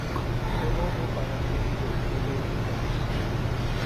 Eu não vou parar de dizer tudo o que penso.